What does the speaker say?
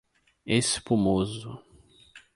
Espumoso